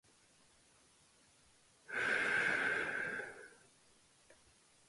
Hazing also occurs for apprentices in some trades.